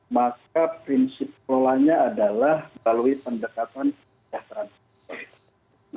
maka prinsip kelolanya adalah melalui pendekatan kejahteraan